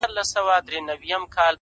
د دوبي ټکنده غرمې د ژمي سوړ سهار مي.